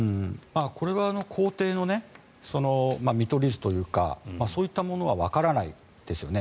これは公邸の見取り図というかそういったものはわからないですよね。